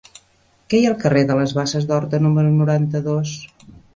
Què hi ha al carrer de les Basses d'Horta número noranta-dos?